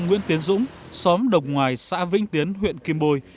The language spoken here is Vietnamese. ông nguyễn tiến dũng xóm đồng ngoài xã vĩnh tiến huyện kim bôi